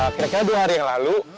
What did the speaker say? kira kira dua hari yang lalu